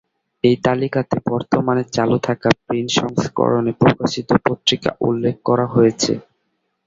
এই তালিকাতে বর্তমানে চালু থাকা প্রিন্ট সংস্করণে প্রকাশিত পত্রিকা উল্লেখ করা হয়েছে।